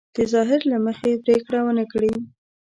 د ظاهر له مخې پرېکړه ونه کړي.